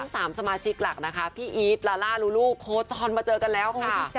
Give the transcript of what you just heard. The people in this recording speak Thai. สามสมาชิกหลักนะคะพี่อีทลาล่าลูลูโคจรมาเจอกันแล้วค่ะ